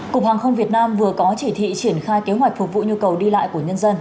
cục hàng không việt nam vừa có chỉ thị triển khai kế hoạch phục vụ nhu cầu đi lại của nhân dân